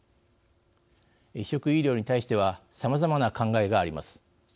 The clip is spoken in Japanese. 移植医療に対してはさまざまな考えがあります。